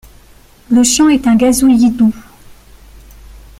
Le chant est un gazouillis doux.